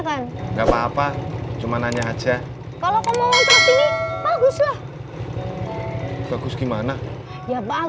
sampai jumpa di video selanjutnya